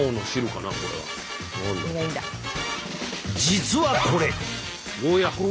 実はこれ。